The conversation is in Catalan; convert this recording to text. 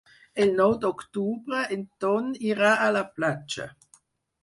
El nou d'octubre en Ton irà a la platja.